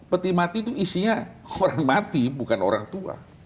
peti mati itu isinya orang mati bukan orang tua